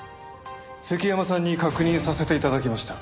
関山さんに確認させて頂きました。